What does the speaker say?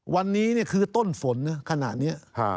วันนี้เนี่ยคือต้นฝนขนาดนี้